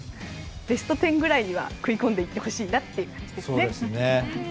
ベスト１０ぐらいには食い込んでいってほしいですね。